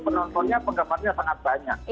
penontonnya penggemarannya sangat banyak